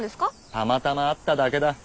たまたま会っただけだ。